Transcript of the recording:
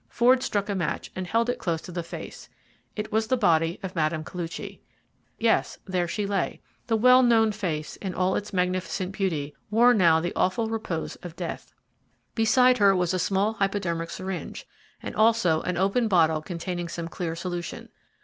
Ford struck a match and held it close to the face. It was the body of Mme. Koluchy. Yes, there she lay. The well known face, in all its magnificent beauty, wore now the awful repose of death. Beside her was a small hypodermic syringe, and also an open bottle containing some clear solution.